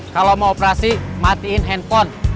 kalau mau operasi matiin handphone